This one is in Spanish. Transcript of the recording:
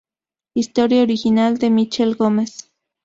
Historia original de Michel Gomez.